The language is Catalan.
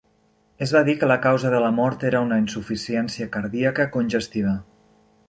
Es va dir que la causa de la mort era una insuficiència cardíaca congestiva.